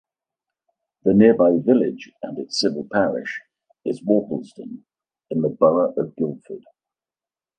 The nearby village and its civil parish is Worplesdon in the Borough of Guildford.